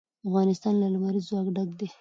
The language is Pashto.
افغانستان له لمریز ځواک ډک دی.